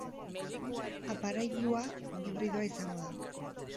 Aparailua hibridoa izango da.